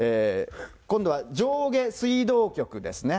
今度は上下水道局ですね。